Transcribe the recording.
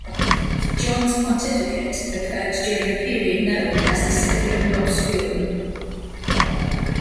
John's pontificate occurred during the period known as the Saeculum obscurum.